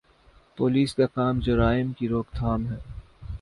Police کا کام جرائم کی روک تھام ہے۔